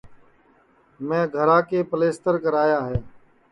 میں گھرا کے پِلیستر کرا یا ہے